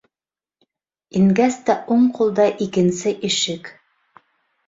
Ингәс тә уң ҡулда икенсе ишек.